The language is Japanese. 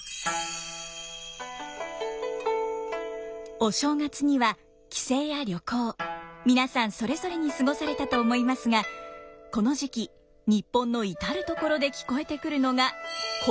お正月には帰省や旅行皆さんそれぞれに過ごされたと思いますがこの時期日本の至る所で聞こえてくるのが箏の音色。